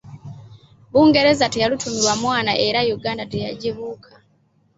Bungereza teyalutumirwa mwana era Yuganda teyagibuuka.